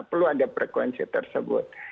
perlu ada frekuensi tersebut